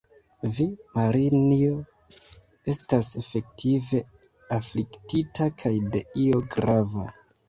Vi, Marinjo, estas efektive afliktita kaj de io grava.